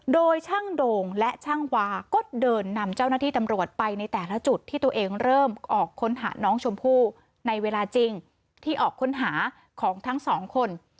โดยช่างโด่งและช่างวาก็เดินนำเจ้าหน้าที่ตำรวจไปในแต่ละจุดที่ตัวเองเริ่มออกค้นหาน้องชมพู่ในเวลาจริงที่ออกค้นหาของทั้งสองคน